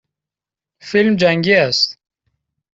فیلم جنگی است.